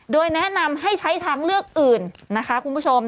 โดยแนะนำให้ใช้ทางเลือกอื่นนะคะคุณผู้ชม